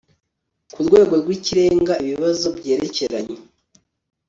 ku rwego rw ikirenga ibibazo byerekeranywe